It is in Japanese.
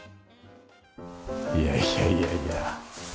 いやいやいやいや。